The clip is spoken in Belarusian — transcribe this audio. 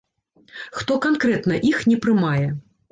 Хто канкрэтна іх не прымае?